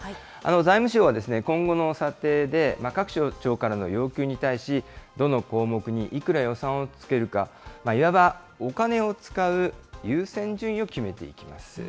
財務省は今後の査定で各省庁からの要求に対し、どの項目にいくら予算をつけるか、いわば、お金を使う優先順位を決めていきます。